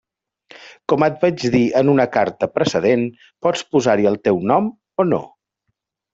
Com et vaig dir en una carta precedent, pots posar-hi el teu nom o no.